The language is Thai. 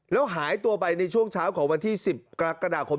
แล้วหายตัวไปในช่วงเช้าของวันที่๑๐กรกฎาคม